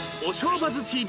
バズＴＶ』